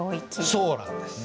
そうなんです。